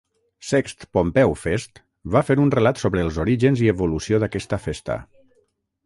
Sext Pompeu Fest va fer un relat sobre els orígens i evolució d'aquesta festa.